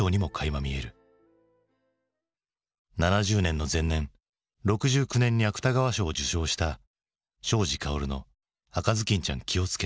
７０年の前年６９年に芥川賞を受賞した庄司薫の「赤頭巾ちゃん気をつけて」。